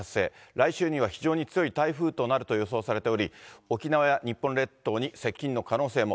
来週には非常に強い台風となると予想されており、沖縄や日本列島に接近の可能性も。